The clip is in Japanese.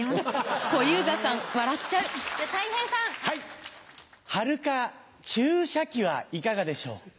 はるか注射器はいかがでしょう？